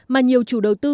mà nhiều chủ đầu tư